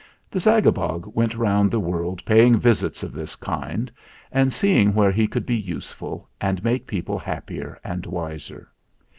The Zagabog went round the world paying visits of this kind, and seeing where he could be useful and make people happier and wiser.